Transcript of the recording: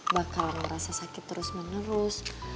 bakal ngerasa sakit terus menerus